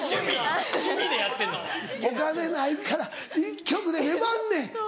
お金ないから１曲で粘んねん。